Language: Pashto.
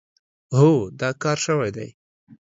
هو، دا کار شوی دی.